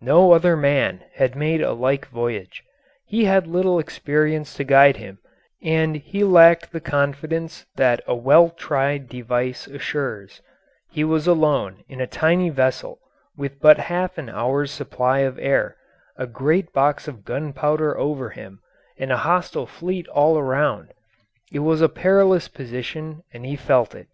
No other man had made a like voyage; he had little experience to guide him, and he lacked the confidence that a well tried device assures; he was alone in a tiny vessel with but half an hour's supply of air, a great box of gunpowder over him, and a hostile fleet all around. It was a perilous position and he felt it.